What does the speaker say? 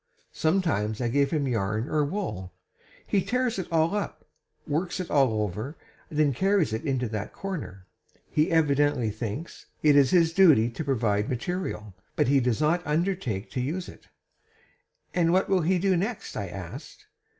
'I sometimes give him yarn or wool; he tears it all up, works it all over, and then carries it to that corner. He evidently thinks it his duty to provide material, but he does not undertake to use it.' 'And what will he do next?' I asked.